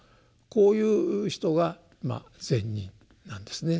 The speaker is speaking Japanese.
こういう人が「善人」なんですね。